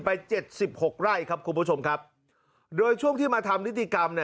ไป๗๖ไร่ครับคุณผู้ชมครับโดยช่วงที่มาทำนิติกรรม